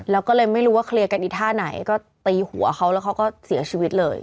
แล้วก็เลยไม่รู้ว่าเคลียร์กันอีกท่าไหนก็ตีหัวเขาแล้วเขาก็เสียชีวิตเลย